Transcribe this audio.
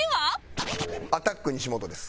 アタック西本です。